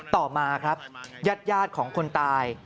ต่อมาครับญาติของคนตาย